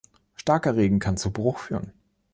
Starker Regen kann zu Bruch führen.